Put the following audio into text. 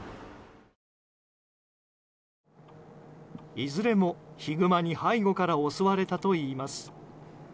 いずれも、ヒグマに背後から襲われたといいます。